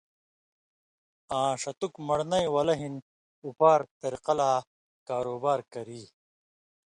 آں ݜتُک من٘ڑنَیں وَلہ ہِن اُپار(طریقہ لا کاروبار)کیریۡ